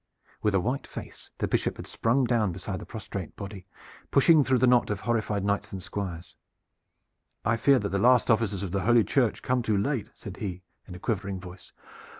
With a white face the Bishop had sprung down beside the prostrate body, pushing through the knot of horrified knights and squires. "I fear that the last offices of the Holy Church come too late," said he in a quivering voice.